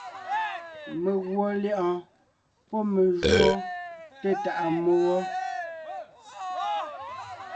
Meguɔ lyɛ̌ʼɔɔn pɔ́ me júɔ té tàʼa mmó wɔ.